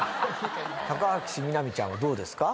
高橋みなみちゃんはどうですか？